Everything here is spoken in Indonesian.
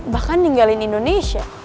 bahkan ninggalin indonesia